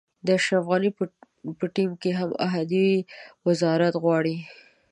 د اشرف غني په ټیم کې هم احدي وزارت غواړي.